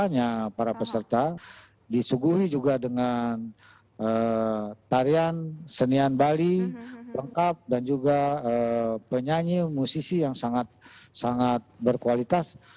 hanya para peserta disuguhi juga dengan tarian senian bali lengkap dan juga penyanyi musisi yang sangat berkualitas